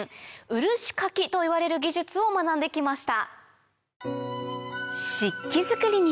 漆掻きといわれる技術を学んで来ました。